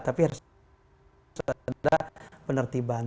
tapi harus ada penertiban